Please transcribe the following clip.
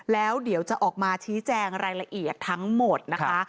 แล้วเดี๋ยวจะออกมาชี้แจงรายละเอียดทั้งหมดนะคะ